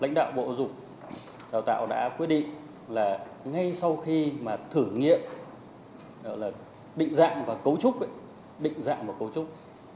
lãnh đạo bộ giáo dục và đào tạo đã quyết định là ngay sau khi thử nghiệm định dạng và cấu trúc